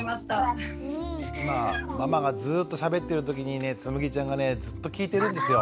今ママがずっとしゃべってるときにねつむぎちゃんがねずっと聞いてるんですよ。